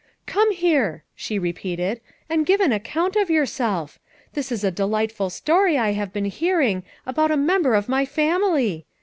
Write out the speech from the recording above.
"Come here," she repeated, "and give an account of yourself. This is a delightful story I have been hearing about a member of my family!